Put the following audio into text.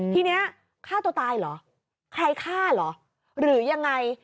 ทีนี้ฆ่าตัวตายเหรอใครฆ่าเหรอหรือยังไง